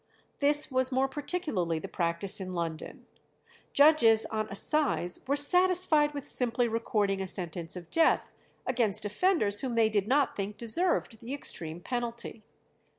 This was more particularly the practice in London. Judges on assize were satisfied with simply recording a sentence of death against offenders whom they did not think deserved the extreme penalty.